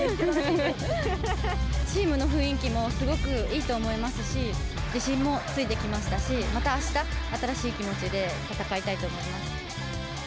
チームの雰囲気もすごくいいと思いますし、自信もついてきましたし、またあした、新しい気持ちで戦いたいと思います。